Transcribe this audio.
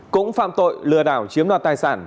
cũng phạm tội lừa đảo chiếm đoạt tài sản